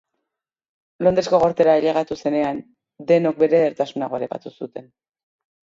Londresko Gortera ailegatu zenean, denok bere edertasuna goraipatu zuten.